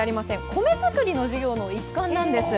米作りの授業の一環なんです。